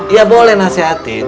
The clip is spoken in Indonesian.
iya boleh nasihatin